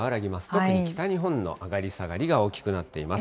特に北日本の上がり下がりが大きくなっています。